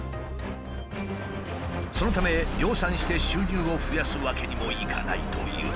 そのため量産して収入を増やすわけにもいかないという。